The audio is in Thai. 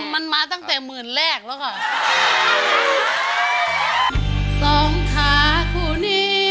มันมาตั้งแต่หมื่นแรกแล้วก่อน